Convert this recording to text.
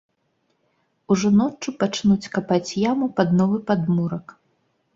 Ужо ноччу пачнуць капаць яму пад новы падмурак.